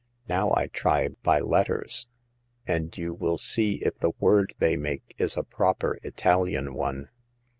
Now I try by letters, and you will see if the word they make is a proper Italian one."